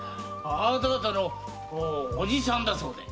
あなた方の叔父さんだそうで。